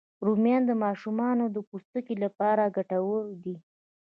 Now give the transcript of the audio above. رومیان د ماشومانو د پوستکي لپاره ګټور دي